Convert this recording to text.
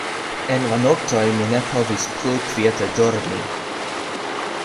En la noktoj mi ne povis plu kviete dormi.